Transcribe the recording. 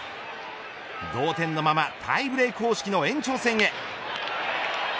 同点のままタイブレーク方式の延長戦へ。